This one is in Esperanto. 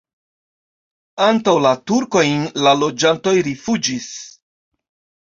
Antaŭ la turkojn la loĝantoj rifuĝis.